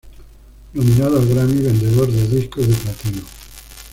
Nominado al Grammy, vendedor de discos de platino.